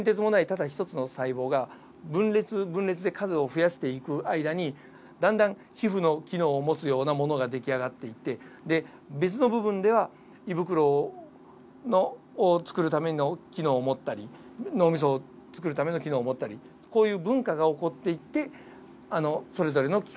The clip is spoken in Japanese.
ただ一つの細胞が分裂分裂で数を増やしていく間にだんだん皮膚の機能を持つようなものができあがっていって別の部分では胃袋を作るための機能を持ったり脳みそを作るための機能を持ったりこういう分化が起こっていってそれぞれの器官ができあがると。